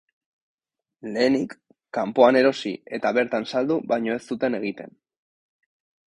Lehenik kanpoan erosi eta bertan saldu baino ez zuten egiten.